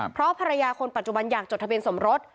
เพราะภรรยาคนปัจจุบันอยากจดทะเบียนสมรส